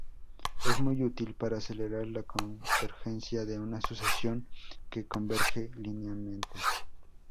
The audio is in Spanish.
Es muy útil para acelerar la convergencia de una sucesión que converge linealmente.